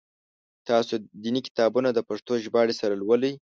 تاسو دیني کتابونه د پښتو ژباړي سره لولی؟